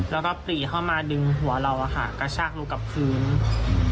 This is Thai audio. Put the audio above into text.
แล้วก็ปรีเข้ามาดึงหัวเราอะค่ะกระชากลงกับพื้น